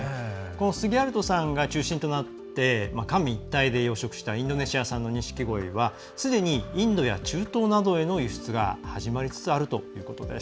スギアルトさんが中心となって官民一体で養殖したインドネシア産の錦鯉はすでに、インドや中東などへの輸出が始まりつつあるということです。